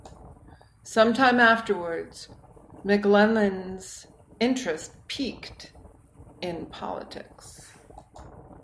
Sometime afterwards, McGlennon's interest piqued in politics.